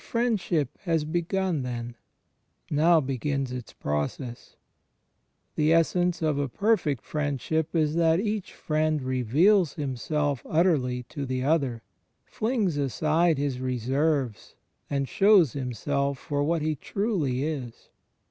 The Friendship has begun then. Now begins its process. CHBIST IN THE INTERIOR SOUL 1 7 The essence of a perfect friendship is that each friend reveals himself utteriy to the other, flings aside his reserves, and shows himself for what he truly is.